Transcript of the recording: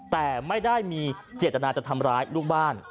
แต่ไม่ได้มีเจตนาจะทำร้ายลูกบ้าน